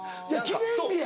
記念日や。